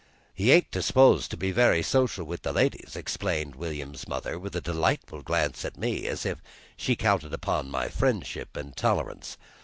"He ain't disposed to be very social with the ladies," explained William's mother, with a delightful glance at me, as if she counted upon my friendship and tolerance.